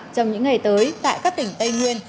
trong những ngày tới tại các tỉnh tây nguyên